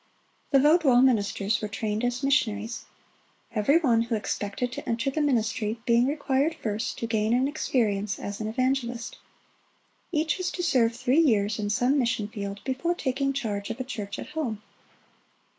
The Vaudois ministers were trained as missionaries, every one who expected to enter the ministry being required first to gain an experience as an evangelist. Each was to serve three years in some mission field before taking charge of a church at home.